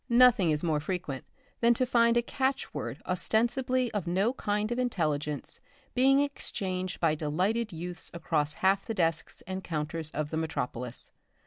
Nothing is more frequent than to find a catch word ostensibly of no kind of intelligence being exchanged by delighted youths across half the desks and counters of the metropolis.